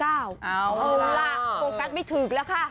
เอาล่ะโฟกัสไม่ถึงแล้วค่ะ